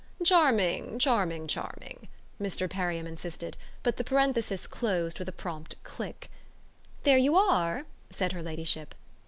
"Charming, charming, charming!" Mr. Perriam insisted; but the parenthesis closed with a prompt click. "There you are!" said her ladyship.